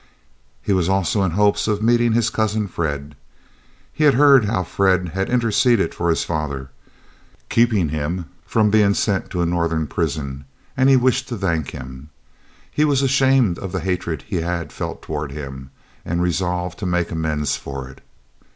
He was also in hopes of meeting his cousin Fred. He had heard how Fred had interceded for his father, keeping him from being sent to a Northern prison, and he wished to thank him. He was ashamed of the hatred he had felt toward him, and resolved to make amends for it.